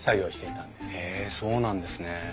へえそうなんですね。